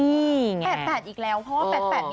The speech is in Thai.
๘๘อีกแล้วเพราะว่า๘๘มีมาฝัง